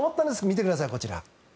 見てください、こちら。